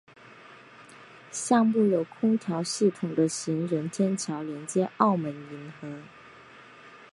项目有空调系统的行人天桥连接澳门银河。